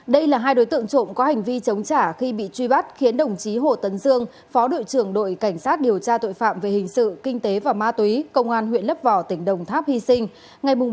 đây là hai đối tượng trộm có hành vi chống trả khi bị truy bắt khiến đồng chí hồ tấn dương phó đội trưởng đội cảnh sát điều tra tội phạm về hình sự kinh tế và ma túy công an huyện lấp vò tỉnh đồng tháp hy sinh